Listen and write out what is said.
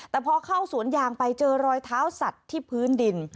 แต่พอเข้าสวนยางไปเจอรอยเท้าสัตว์ที่พื้นดิน